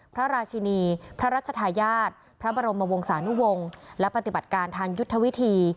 พระราชินีพระราชทายาทพระบรมวงศานุวงศ์และปฏิบัติการทางยุทธวิธี